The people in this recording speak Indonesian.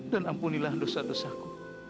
dan ampunilah dosa dosaku